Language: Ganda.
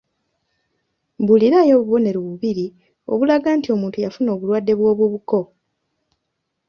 Mbuulirayo obubonero bubiri obulaga nti omuntu yafuna obulwadde bw’obubuko.